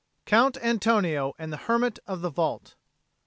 COUNT ANTONIO AND THE HERMIT OF THE VAULT.